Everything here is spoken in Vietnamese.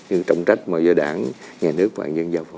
như trọng trách mà do đảng nhà nước và nhân dân giao phó